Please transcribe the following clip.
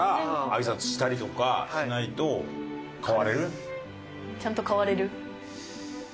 あいさつしたりとかしないと。ちゃんと変われる？